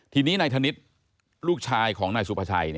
ทีนี้นายธนิษฐ์ลูกชายของนายสุภาชัย